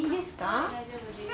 ・はい大丈夫です。